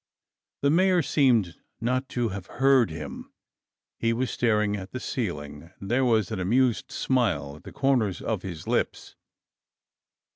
The Mayor seemed not to have heard him. He was staring at the ceiling, and there was an amused smile at the corners of his lips.